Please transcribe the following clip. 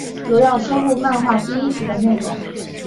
主要收录漫画第一集的内容。